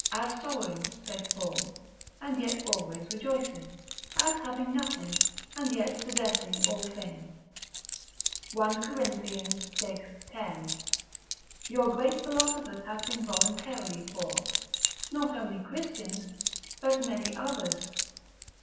As sorrowing (saith Paul) and yet always rejoicing; as having nothing, and yet possessing all things, 1 Cor. vi. 10. Your great Philosophers have been voluntarily poor, not only Christians, but many others.